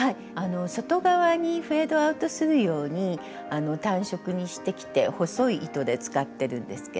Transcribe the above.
外側にフェードアウトするように淡色にしてきて細い糸で使ってるんですけれども。